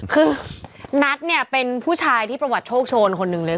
คือนัทเนี่ยเป็นผู้ชายที่ประวัติโชคโชนคนหนึ่งเลย